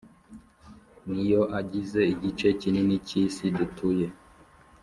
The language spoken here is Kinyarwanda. Ni yo agize igice kinini k’isi dutuye.